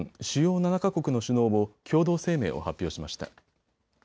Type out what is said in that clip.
主要７か国の首脳も共同声明を発表しました。